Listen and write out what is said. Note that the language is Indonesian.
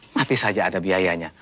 mati saja ada biayanya